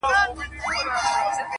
نه شاهین د تورو غرو نه تور بلبل سوې,